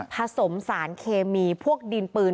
ผสมสารเคมีพวกดินปืน